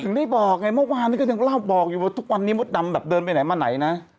ได้บอกไงเมื่อวานนี้ก็ยังเล่าบอกอยู่ว่าทุกวันนี้มดดำแบบเดินไปไหนมาไหนนะ